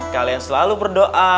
kalian selalu berdoa